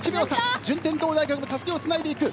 順天堂大学もたすきをつないでいく。